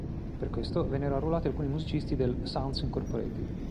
Per questo vennero arruolati alcuni musicisti del "Sounds Inc.